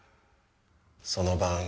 その晩。